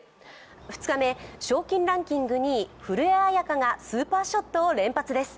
２日目、賞金ランキング二位、古江彩佳がスーパーショットを連発です。